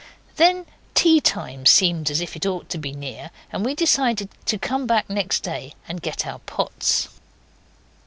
Then tea time seemed as if it ought to be near, and we decided to come back next day and get our pots.